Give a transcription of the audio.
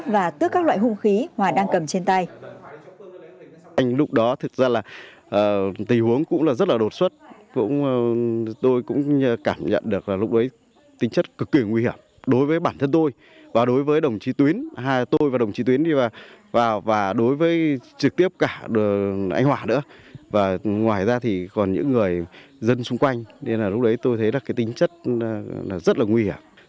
và tước các loại hung khí hòa đang cầm trên tay